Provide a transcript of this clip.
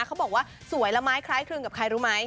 เขาบอกว่าสวยละไม้คล้ายคลึงกับใครรู้ไหม